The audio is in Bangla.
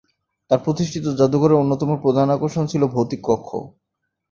তার প্রতিষ্ঠিত যাদুঘরের অন্যতম প্রধান আকর্ষণ ছিল 'ভৌতিক কক্ষ'।